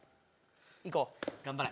・いこう頑張れ！